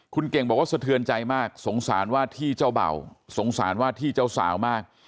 คุณเก่งบอกว่าสะเทือนใจมากสงสารว่าที่เจ้าเบ่าสงสารว่าที่เจ้าสาวมาก